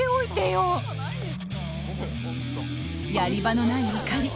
やり場のない怒り。